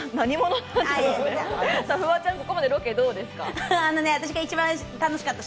フワちゃん、ここまでロケどうでした？